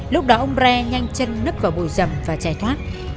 lúc đó ông bre nhanh chân nấp vào bụi rầm và chạy thoát